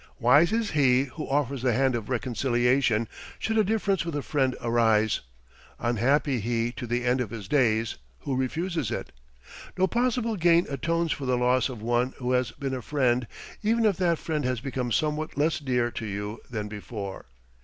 Wise is he who offers the hand of reconciliation should a difference with a friend arise. Unhappy he to the end of his days who refuses it. No possible gain atones for the loss of one who has been a friend even if that friend has become somewhat less dear to you than before.